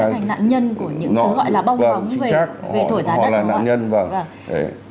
sẽ thành nạn nhân của những thứ gọi là bong bóng về thổi giá đất